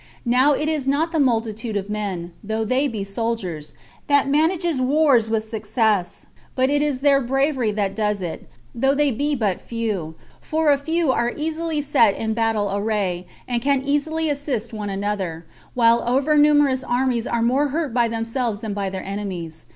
Now it is not the multitude of men, though they be soldiers, that manages wars with success, but it is their bravery that does it, though they be but a few; for a few are easily set in battle array, and can easily assist one another, while over numerous armies are more hurt by themselves than by their enemies.